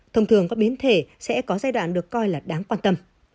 thông thường các biến thể sẽ có giai đoạn được coi là đáng quan tâm